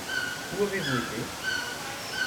Où avez-vous été ?